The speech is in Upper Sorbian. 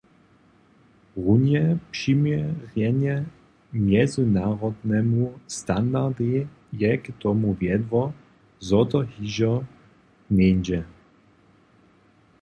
Runje přiměrjenje mjezynarodnemu standardej je k tomu wjedło, zo to hižo njeńdźe.